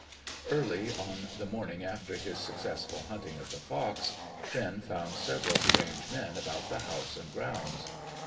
Early on the morning after his successful hunting of the fox, Finn found several strange men about the house and grounds.